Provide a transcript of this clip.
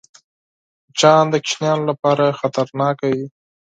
مچان د ماشومانو لپاره خطرناک وي